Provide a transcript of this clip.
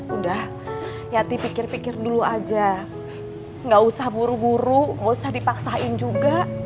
udah yati pikir pikir dulu aja nggak usah buru buru usah dipaksain juga